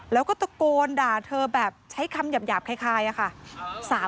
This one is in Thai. แล้วก็ตะโกนด่าเธอแบบใช้คำหยาบคล้ายค่ะ